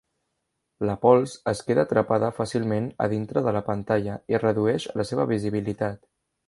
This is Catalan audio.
La pols es queda atrapada fàcilment a dintre de la pantalla i redueix la seva visibilitat.